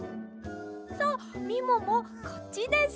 さっみももこっちです。